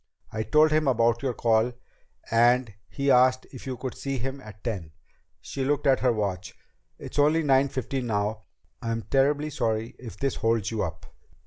I told him about your call and he asked if you could see him at ten." She looked at her watch. "It's only nine fifteen now. I'm terribly sorry if this holds you up."